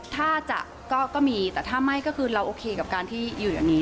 ถ้าจะก็มีแต่ถ้าไม่ก็คือเราโอเคกับการที่อยู่อันนี้